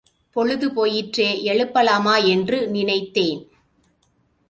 பொழுது போயிற்றே, எழுப்பலாமா என்று நினைத்தேன்.